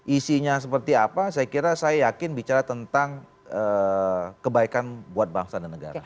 isinya seperti apa saya kira saya yakin bicara tentang kebaikan buat bangsa dan negara